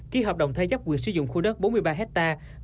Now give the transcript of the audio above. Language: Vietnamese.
ký hợp đồng thế chấp quyền sử dụng khu đất bốn mươi ba hectare